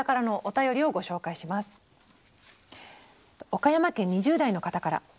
岡山県２０代の方から。